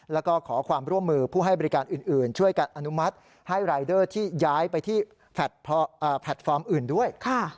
แล้วก็ขอความร่วมมือผู้ให้บริการอื่นช่วยกันอนุมัติให้รายเดอร์ที่ย้ายไปที่แพลตฟอร์มอื่นด้วย